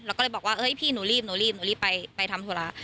แล้วก็เลยบอกว่าพี่หนูรีบหนูรีบไปทำธุระ